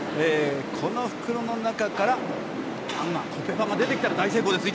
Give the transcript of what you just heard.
この袋の中からパンがコッペパンが出てきたら大成功です。